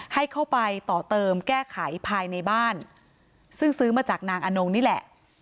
ให้เข้าไปต่อเติมแก้ไขภายในบ้านซึ่งซื้อมาจากนางอนงนี่แหละ